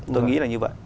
tôi nghĩ là như vậy